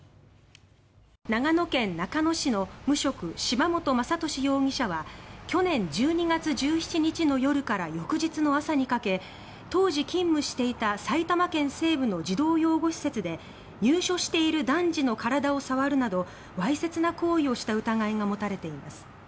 長野県中野市の無職柴本雅俊容疑者は去年１２月１７日の夜から翌日の朝にかけ当時勤務していた埼玉県西部の児童養護施設で入所している男児の体を触るなどわいせつな行為をした疑いが持たれています。